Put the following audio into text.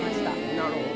なるほど。